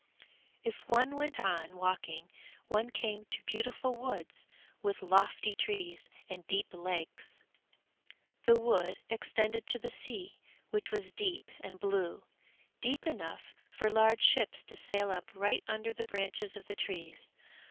If one went on walking, one came to beautiful woods with lofty trees and deep lakes. The wood extended to the sea, which was deep and blue, deep enough for large ships to sail up right under the branches of the trees.